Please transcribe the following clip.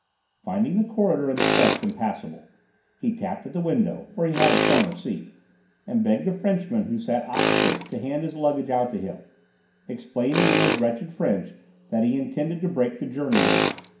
Finding the corridor and steps impassable, he tapped at the window (for he had a corner seat) and begged the Frenchman who sat opposite to hand his luggage out to him, explaining in his wretched French that he intended to break the journey there.